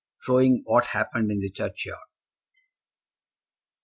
Showing What Happened in the Churchyard.